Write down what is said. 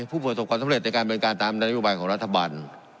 ผู้ประสบความสำเร็จในการบริการตามนโยบายของรัฐบาล